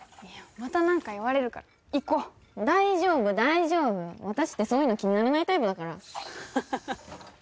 また何か言われるから行こう大丈夫大丈夫私ってそういうの気にならないタイプだからはははは